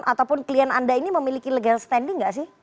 ataupun klien anda ini memiliki legal standing nggak sih